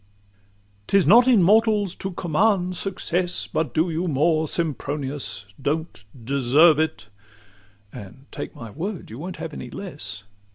XVIII "'T is not in mortals to command success: But do you more, Sempronius don't deserve it," And take my word, you won't have any less.